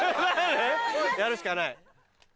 やるしかない。